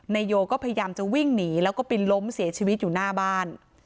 โยก็พยายามจะวิ่งหนีแล้วก็ไปล้มเสียชีวิตอยู่หน้าบ้าน